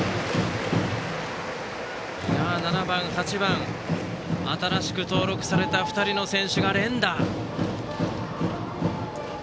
７番、８番、新しく登録された２人の選手が連打。